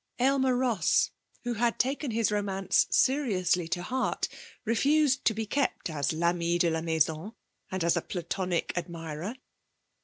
Aylmer Ross, who had taken his romance seriously to heart, refused to be kept as l'ami de la maison, and as a platonic admirer.